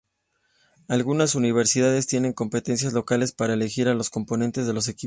Algunas universidades tienen competiciones locales para elegir a los componentes de los equipos.